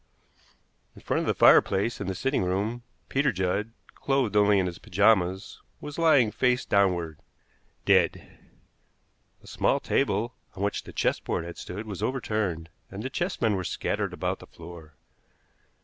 In front of the fireplace in the sitting room Peter Judd, clothed only in his pajamas, was lying face downward dead! A small table on which the chessboard had stood was overturned, and the chessmen were scattered about the floor.